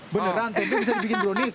beneran tempo bisa dibikin brownies